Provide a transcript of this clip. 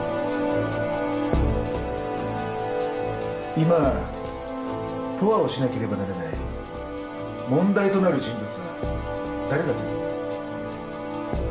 今ポアをしなければならない問題となる人物は誰だと思う？